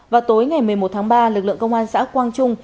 vào tối ngày một mươi một tháng ba lực lượng công an xã quang trung